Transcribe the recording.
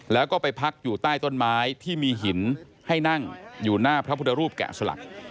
แล้วก็ไปพักอยู่ใต้ต้นไม้ที่มีหินให้นั่งอยู่หน้าพระพุทธรูปแกะสลัก